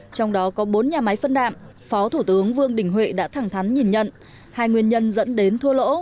trong đó có bốn nhà máy phân đạm phó thủ tướng vương đình huệ đã thẳng thắn nhìn nhận hai nguyên nhân dẫn đến thua lỗ